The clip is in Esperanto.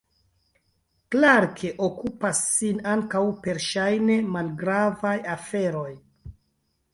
Clarke okupas sin ankaŭ per ŝajne malgravaj aferoj.